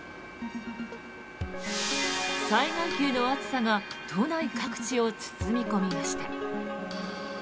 災害級の暑さが都内各地を包み込みました。